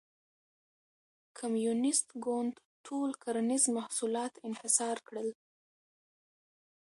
کمونېست ګوند ټول کرنیز محصولات انحصار کړل.